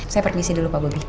saya permisi dulu pak bobi